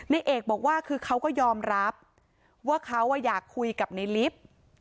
ในเอกบอกว่าคือเขาก็ยอมรับว่าเขาอยากคุยกับในลิฟต์